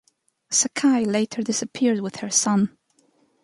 Sakai later disappeared with her son.